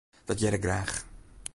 Dat hear ik graach.